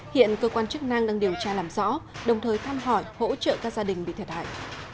hiện cơ quan chức năng đang điều tra làm rõ đồng thời thăm hỏi hỗ trợ các gia đình bị thiệt hại